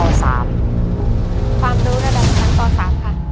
ความรู้ระดับท่องต่อ๓ค่ะ